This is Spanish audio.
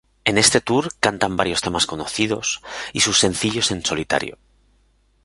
En este tour cantan varios temas conocidos y sus sencillos en solitario.